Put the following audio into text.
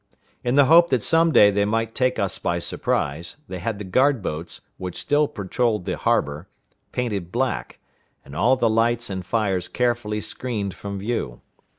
In the hope that some day they might take us by surprise, they had the guard boats, which still patrolled the harbor, painted black, and all the lights and fires carefully screened from view.